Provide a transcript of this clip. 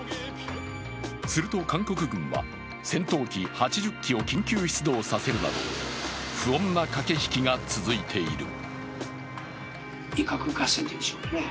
すると韓国軍は戦闘機８０機を緊急出動させるなど不穏な駆け引きが続いている。